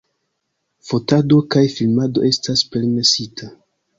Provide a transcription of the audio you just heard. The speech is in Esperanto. Fotado kaj filmado estas permesita.